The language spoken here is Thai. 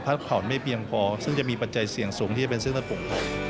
ผ่อนไม่เพียงพอซึ่งจะมีปัจจัยเสี่ยงสูงที่จะเป็นเสื้อตัดผม